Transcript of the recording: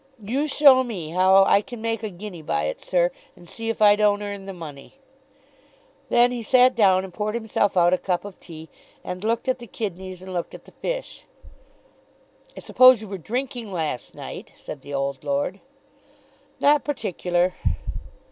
"You show me how I can make a guinea by it, sir, and see if I don't earn the money." Then he sat down and poured himself out a cup of tea, and looked at the kidneys and looked at the fish. "I suppose you were drinking last night," said the old lord. "Not particular."